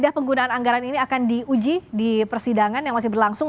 dan penggunaan anggaran ini akan diuji di persidangan yang masih berlangsung